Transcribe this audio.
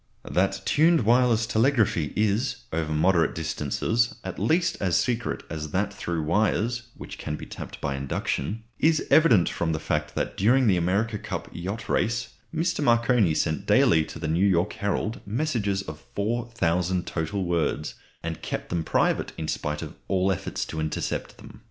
That tuned wireless telegraphy is, over moderate distances, at least as secret as that through wires (which can be tapped by induction) is evident from the fact that during the America Cup Yacht Races Mr. Marconi sent daily to the New York Herald messages of 4000 total words, and kept them private in spite of all efforts to intercept them.